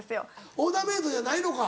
オーダーメードじゃないのか？